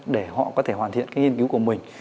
để họ có thể hoàn thiện cái nghiên cứu của mình